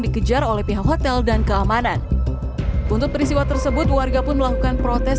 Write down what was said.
dikejar oleh pihak hotel dan keamanan untuk peristiwa tersebut warga pun melakukan protes